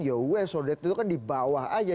ya weh sodet itu kan di bawah aja